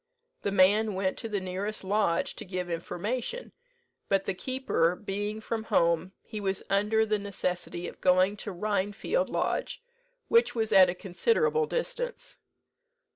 The man went to the nearest lodge to give information; but the keeper being from home, he was under the necessity of going to Rhinefield Lodge, which was at a considerable distance.